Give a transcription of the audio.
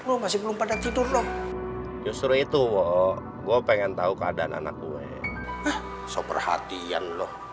lu masih belum pada tidur loh justru itu wo gue pengen tahu keadaan anak gue soper hatian